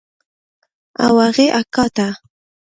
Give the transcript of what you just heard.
او هغې اکا ته.